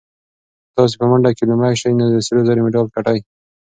که تاسي په منډه کې لومړی شئ نو د سرو زرو مډال ګټئ.